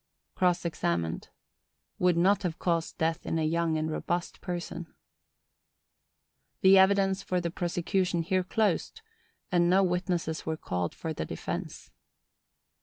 Cross examined.—Would not have caused death in a young and robust person. The evidence for the prosecution here closed, and no witnesses were called for the defence.